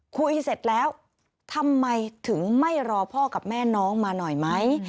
เสร็จแล้วทำไมถึงไม่รอพ่อกับแม่น้องมาหน่อยไหม